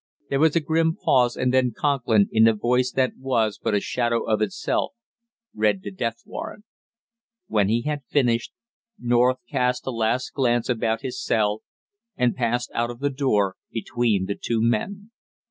There was a grim pause, and then Conklin, in a voice that was but a shadow of itself, read the death warrant. When he had finished, North cast a last glance about his cell and passed out of the door between the two men.